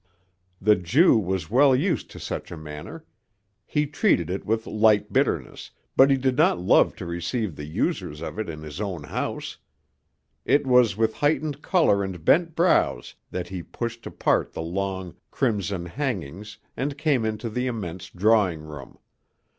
The Jew was well used to such a manner. He treated it with light bitterness, but he did not love to receive the users of it in his own house. It was with heightened color and bent brows that he pushed apart the long, crimson hangings and came into the immense drawing room.